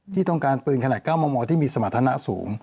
ที่ต้องการปืนขนาด๙มมที่มีสมรรถนะสูง